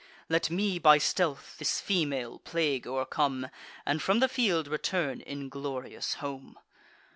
Let me, by stealth, this female plague o'ercome, And from the field return inglorious home."